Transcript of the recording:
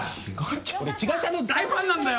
俺茅ヶちゃんの大ファンなんだよ